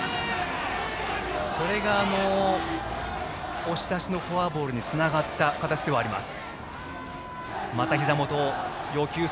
それが押し出しのフォアボールにつながった形でもあります。